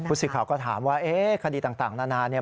สื่อข่าวก็ถามว่าเอ๊ะคดีต่างนานาเนี่ย